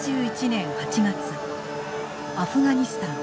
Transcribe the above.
２０２１年８月アフガニスタン。